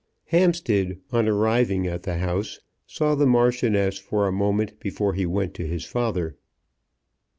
Hampstead on arriving at the house saw the Marchioness for a moment before he went to his father.